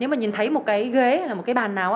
nếu mà nhìn thấy một cái ghế là một cái bàn nào